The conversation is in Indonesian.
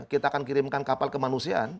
kita akan kirimkan kapal kemanusiaan